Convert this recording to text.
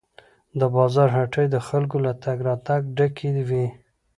د بازار هټۍ د خلکو له تګ راتګ ډکې وې.